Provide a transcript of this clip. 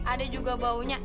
ada juga baunya